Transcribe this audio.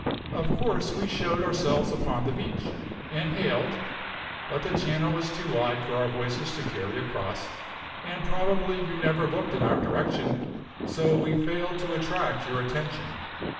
Of course we showed ourselves upon the beach, and hailed; but the channel was too wide for our voices to carry across, and probably you never looked in our direction, so we failed to attract your attention.